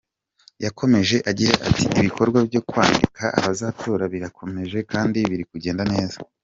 Yakomeje agira ati "Ibikorwa byo kwandika abazatora birakomeje kandi biri kugenda neza.